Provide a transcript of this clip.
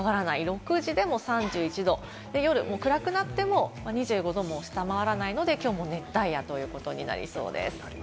６時でも３１度、夜暗くなっても２５度も下回らないので、きょうも熱帯夜ということになりそうです。